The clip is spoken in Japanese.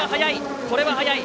これは速い。